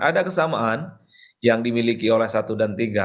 ada kesamaan yang dimiliki oleh satu dan tiga